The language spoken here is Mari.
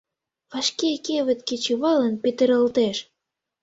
— Вашке кевыт кечываллан петыралтеш.